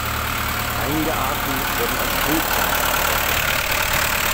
Einige Arten werden als Heilpflanzen verwendet.